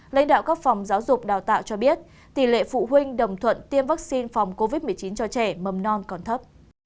lãnh đạo các phòng giáo dục đào tạo cho biết tỷ lệ phụ huynh đồng thuận tiêm vaccine phòng covid một mươi chín cho trẻ mầm non còn thấp